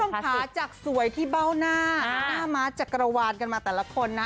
คุณผู้ชมค่ะจากสวยที่เบ้าหน้าหน้าม้าจักรวาลกันมาแต่ละคนนะ